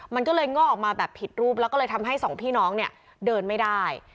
มันก็เลยง่อออกมาแบบผิดรูปแล้วก็เลยทำให้สองพี่น้องเนี่ยเดินไม่ได้